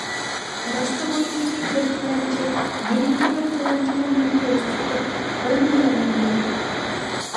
رەستە بويىدىكى بىر تىلەمچى يېنىدىكى بىر تىلەمچىگە مېنى كۆرسىتىپ تۇرۇپ بىرنېمىلەرنى دېدى.